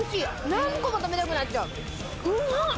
何個も食べたくなっちゃううまっ！